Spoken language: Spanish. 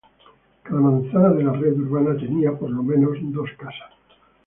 Cada manzana de la red urbana tenía, por lo menos, dos casas.